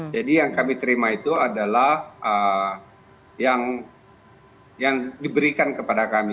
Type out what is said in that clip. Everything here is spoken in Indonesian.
jadi yang kami terima itu adalah yang diberikan kepada kami